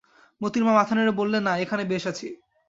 মোতির মা মাথা নেড়ে বললে, না, এখানে বেশ আছি।